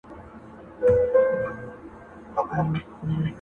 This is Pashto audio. • د شګوفو تر ونو لاندي دمه سوم -